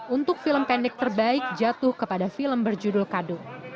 untuk film pendek terbaik jatuh kepada film berjudul kado